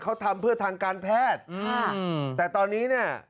เขาทำเพื่อทางการแพทย์แต่ตอนนี้เนี่ย